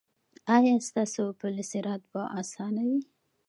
ایا ستاسو پل صراط به اسانه وي؟